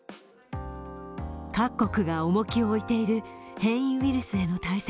各国が重きを置いている変異ウイルスへの対策。